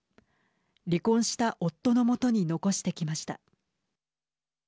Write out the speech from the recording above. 離婚した夫の元に残してきました。